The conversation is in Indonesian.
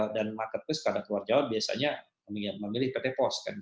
dan marketplace pada luar jawa biasanya memilih pt pos kan